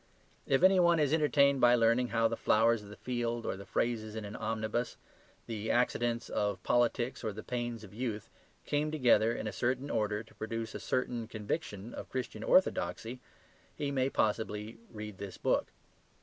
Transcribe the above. If any one is entertained by learning how the flowers of the field or the phrases in an omnibus, the accidents of politics or the pains of youth came together in a certain order to produce a certain conviction of Christian orthodoxy, he may possibly read this book.